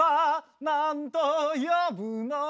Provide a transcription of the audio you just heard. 「なんと呼ぶのか」